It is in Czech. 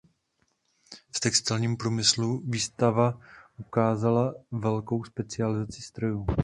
V textilním průmyslu výstava ukázala velkou specializaci strojů.